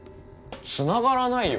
つながらないよ！